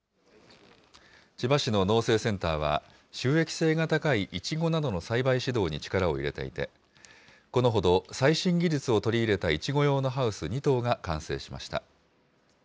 千葉市の農政センターは、収益性が高いイチゴなどの栽培指導に力を入れていて、このほど、最新技術を取り入れたイチゴ用のハウス２棟が完成しました。